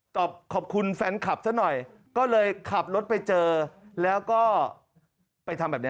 ขอบคุณแฟนคลับซะหน่อยก็เลยขับรถไปเจอแล้วก็ไปทำแบบนี้